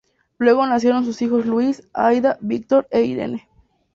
Luego nacieron sus hijos Luis, Aida, Víctor e Irene.